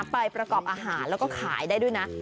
ไปประกอบอาหารแล้วก็ขายได้ด้วยนะ